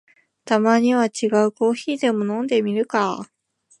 たまには違うコーヒーでも飲んでみるか